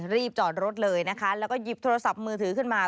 รีบจอดรถเลยนะคะแล้วก็หยิบโทรศัพท์มือถือขึ้นมา